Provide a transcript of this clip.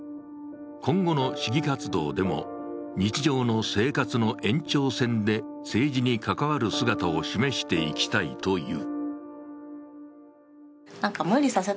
今後の市議活動でも日常の生活の延長線で政治に関わる姿を示していきたいという。